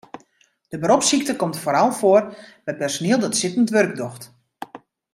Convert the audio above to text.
De beropssykte komt foaral foar by personiel dat sittend wurk docht.